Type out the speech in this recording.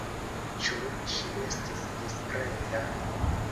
Ĉu ŝi estis diskreta?